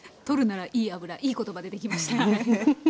「とるならいい油」いい言葉出てきましたね。